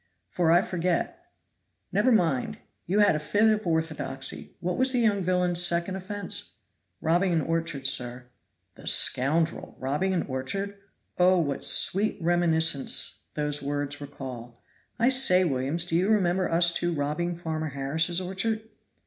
for I forget. Never mind, you had a fit of orthodoxy. What was the young villain's second offense?" "Robbing an orchard, sir." "The scoundrel! robbing an orchard? Oh, what sweet reminiscences those words recall. I say, Williams, do you remember us two robbing Farmer Harris's orchard?"